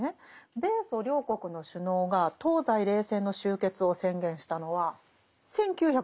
米ソ両国の首脳が東西冷戦の終結を宣言したのは１９８９年のことでしたよね。